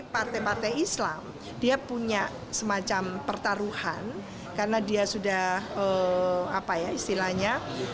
partai partai islam dia punya semacam pertaruhan karena dia sudah apa ya istilahnya